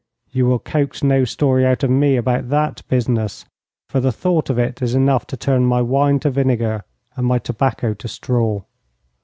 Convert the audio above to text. You will coax no story out of me about that business, for the thought of it is enough to turn my wine to vinegar and my tobacco to straw.